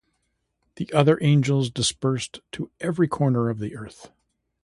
The other angels dispersed to every corner of the Earth.